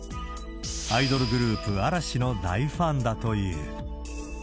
アイドルグループ、嵐の大ファンだという。